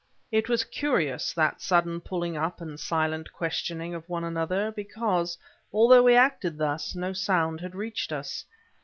It was curious that sudden pulling up and silent questioning of one another; because, although we acted thus, no sound had reached us.